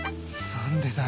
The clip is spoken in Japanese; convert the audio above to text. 何でだよ。